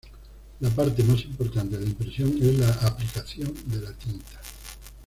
La parte más importante de la impresión es la aplicación de la tinta.